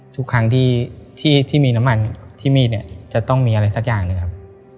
ทุกครั้งที่มีน้ำมันที่มีดเนี่ยจะต้องมีอะไรสักอย่างหนึ่งครับ